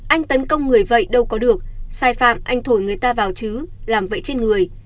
anh tấn công người vậy đâu có được sai phạm anh thổi người ta vào chứ làm vậy trên người